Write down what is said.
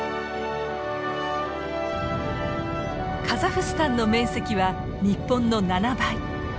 カザフスタンの面積は日本の７倍。